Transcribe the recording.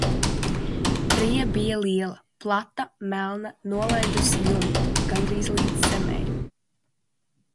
Rija bija liela, plata, melna, nolaidusi jumtu gandrīz līdz zemei.